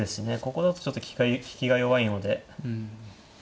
ここだとちょっと引きが弱いので。